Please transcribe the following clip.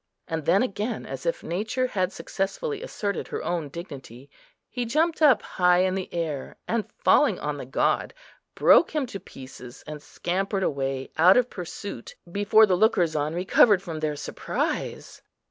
And then again, as if nature had successfully asserted her own dignity, he jumped up high in the air, and, falling on the god, broke him to pieces, and scampered away out of pursuit, before the lookers on recovered from their surprise.